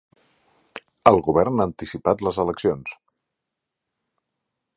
El govern ha anticipat les eleccions.